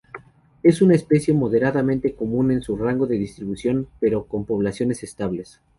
Es una especie moderadamente común en su rango de distribución, pero con poblaciones estables.